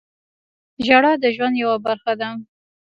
• ژړا د ژوند یوه برخه ده.